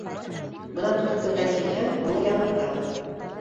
Бына дүрт көндән килһәң, уны яңыртабыҙ.